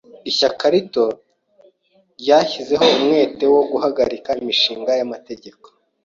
Ishyaka rito ryashyizeho umwete wo guhagarika imishinga y'amategeko.